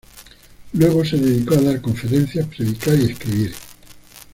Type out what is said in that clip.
Luego se dedicó a dar conferencias, predicar y escribir.